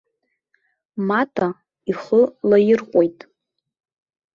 Мата ихы лаирҟәит.